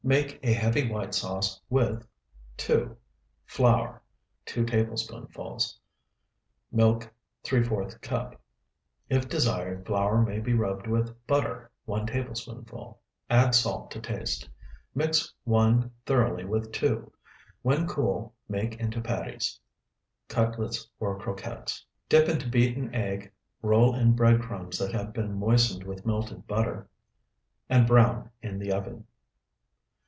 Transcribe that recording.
Make a heavy white sauce with (2) Flour, 2 tablespoonfuls. Milk, ¾ cup. If desired, flour may be rubbed with Butter, 1 tablespoonful. Add salt to taste. Mix 1 thoroughly with 2. When cool, make into patties, cutlets, or croquettes. Dip into beaten egg, roll in bread crumbs that have been moistened with melted butter, and brown in the oven.